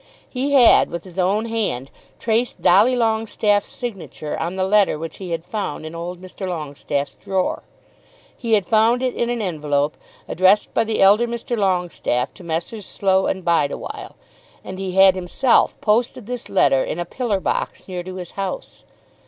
He had with his own hand traced Dolly Longestaffe's signature on the letter which he had found in old Mr. Longestaffe's drawer. He had found it in an envelope, addressed by the elder Mr. Longestaffe to Messrs. Slow and Bideawhile, and he had himself posted this letter in a pillar box near to his own house.